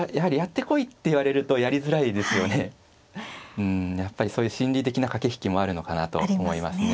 うんやっぱりそういう心理的な駆け引きもあるのかなと思いますね。